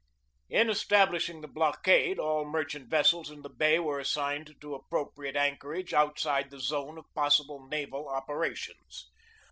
In establishing the blockade all merchant vessels in the bay were assigned an appropriate anchorage outside the zone of possible naval operations.